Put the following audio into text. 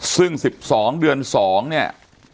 ซึ่ง๑๒เดือน๒เนี่ย